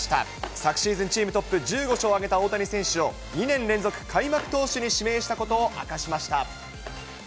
昨シーズン、チームトップ１５勝を挙げた大谷選手を、２年連続開幕投手に指名したことを明かしました。